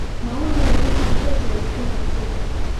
maono ya raisi kikwete yalikuwa ni makubwa